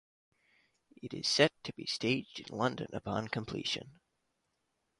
It is set to be staged in London upon completion.